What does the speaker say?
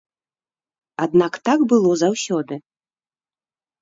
Аднак так было заўсёды.